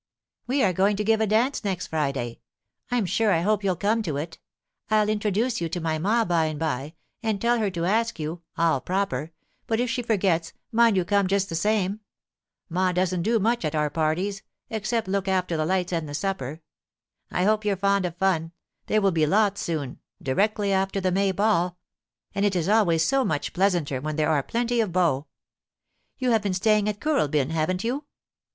* We are going to give a dance next Friday. I'm sure I hope you'll come to it. I'll introduce you to ma by and by, and tell her to ask you, all proper — but if she forgets, mind you come just the same ... Ma doesn't do much at our parties, except look after the lights and the supper. I hope you're fond of fun ; there will be lots soon, directly after the May ball — and it is always so much pleasanter when there are plenty of beaux. You have been staying at Kooralbyn, haven't you?